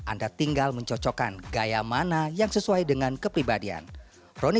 anda tinggal mencocokkan gaya mana yang sesuai dengan kepribadian